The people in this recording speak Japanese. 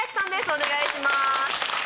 お願いします。